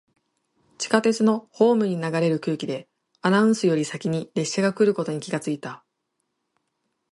地下鉄のホームに流れる空気で、アナウンスより先に列車が来ることに気がついた。